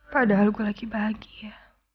padahal gue lagi bahagia